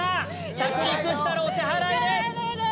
着陸したらお支払いです。